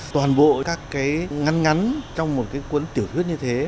toàn bộ các cái ngắn ngắn trong một cái cuốn tiểu thuyết như thế